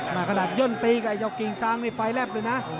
มาขนาดยนต์ตีกับกิ่งสางเลยนะ